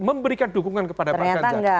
memberikan dukungan kepada pak ganjar